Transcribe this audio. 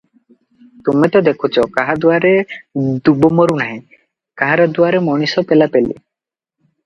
ତୁମେ ତ ଦେଖୁଛ, କାହା ଦୁଆରେ ଦୂବ ମରୁ ନାହିଁ, କାହାର ଦୁଆରେ ମଣିଷ ପେଲାପେଲି ।